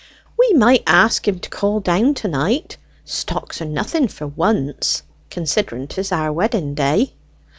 "We might ask him to call down to night. Stocks are nothing for once, considering 'tis our wedding day."